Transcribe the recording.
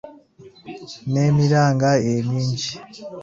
N’emiranga emingi.